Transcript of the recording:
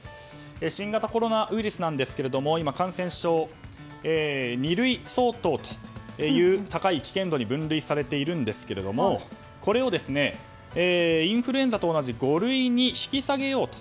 新型コロナウイルスですが今、感染症は二類相当という高い危険度に分類されていますがこれを、インフルエンザと同じ五類に引き下げようと。